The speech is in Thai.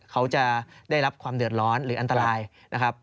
เขาจะได้รับความเดือดร้อนหรืออันตรายนะครับ